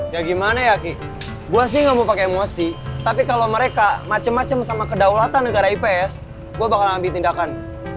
ya gimana ya ki gue sih gak mau pakai emosi tapi kalau mereka macem macem sama kedaulatan negara ips gue bakal ambil tindakan